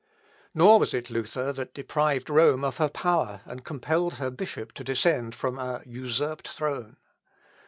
Nor was it Luther that deprived Rome of her power and compelled her bishop to descend from an usurped throne.